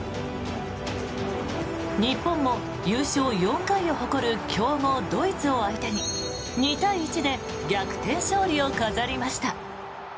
日本も優勝４回を誇る強豪ドイツを相手に２対１で逆転勝利を飾りました。